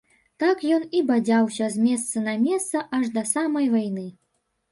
Так ён і бадзяўся з месца на месца аж да самай вайны.